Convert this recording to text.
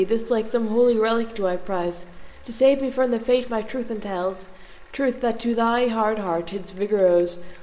This like some holy relic do I prize To save me from the fate my truth entails, Truth that to thy hard heart its vigour owes.